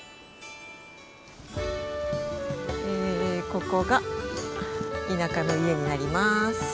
ここが田舎の家になります。